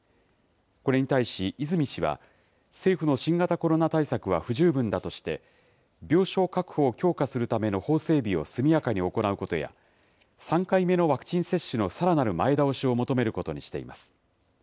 これに対し、泉氏は、政府の新型コロナ対策は不十分だとして、病床確保を強化するための法整備を速やかに行うことや、３回目のワクチン接種のさらなる前倒しを求めることにしています。